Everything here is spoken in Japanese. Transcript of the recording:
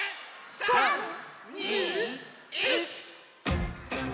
３２１！